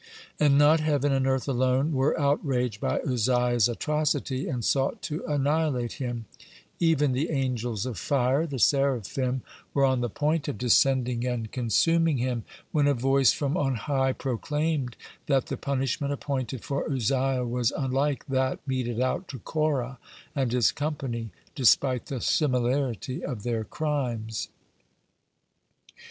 (30) And not heaven and earth alone were outraged by Uzziah's atrocity and sought to annihilate him; even the angels of fire, the seraphim, were on the point of descending and consuming him, when a voice from on high proclaimed, that the punishment appointed for Uzziah was unlike that meted out to Korah and his company despite the similarity of their crimes.